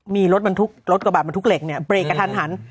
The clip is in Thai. มีรถกระบะบนทุกเหล็กเบรกกันทันหัน